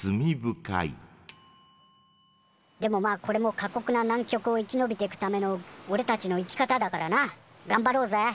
でもまあこれも過こくな南極を生き延びてくためのおれたちの生き方だからながんばろうぜ！